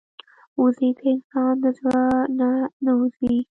وزې د انسان د زړه نه نه وځي